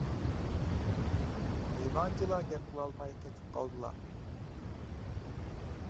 نېمانچىلا گەپ قىلالماي قېتىپ قالدىلا؟